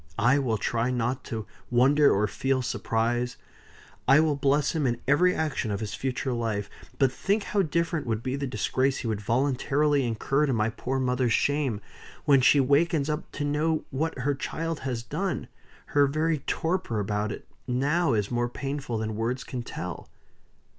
I will try not to wonder or feel surprise; I will bless him in every action of his future life but think how different would be the disgrace he would voluntarily incur to my poor mother's shame, when she wakens up to know what her child has done! Her very torper about it now is more painful than words can tell."